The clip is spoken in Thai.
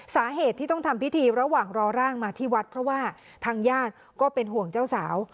สาเหตุที่ต้องทำพิธีระหว่างรอร่างมาที่วัดเพราะว่าทางญาติก็เป็นห่วงเจ้าสาว